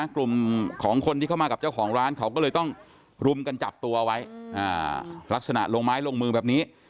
กลุ่มของคนที่เข้ามากับเจ้าของร้านเขาก็เลยต้องรุมกันจับตัวไว้ลักษณะลงไม้ลงมือแบบนี้